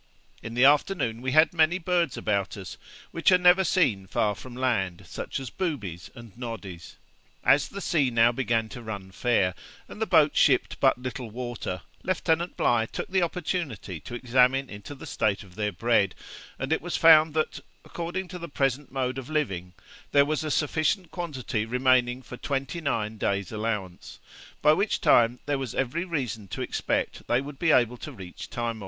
In the afternoon we had many birds about us, which are never seen far from land, such as boobies and noddies.' As the sea now began to run fair, and the boat shipped but little water, Lieutenant Bligh took the opportunity to examine into the state of their bread; and it was found that, according to the present mode of living, there was a sufficient quantity remaining for twenty nine days' allowance, by which time there was every reason to expect they would be able to reach Timor.